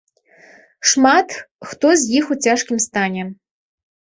Шмат хто з іх у цяжкім стане.